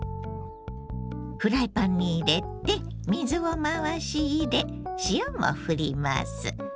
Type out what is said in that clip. フライパンに入れて水を回し入れ塩もふります。